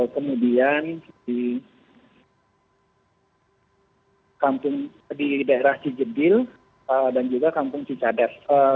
kemudian di daerah cijedil dan juga kampung cicadas